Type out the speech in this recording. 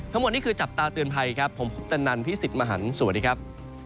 ทั้งหมดนี่คือจับตาเตือนภัยครับผมคุปตนันพี่สิทธิ์มหันฯสวัสดีครับ